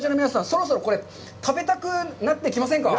そろそろこれ、食べたくなってきませんか？